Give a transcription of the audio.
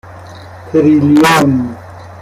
تریلیون